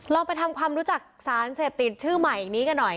ลองไปทำความรู้จักสารเสพติดชื่อใหม่นี้กันหน่อย